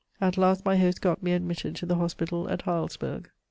At last, my hosts got me admitted to the hospital at Heilsberg.